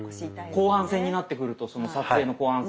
後半戦になってくるとその撮影の後半戦。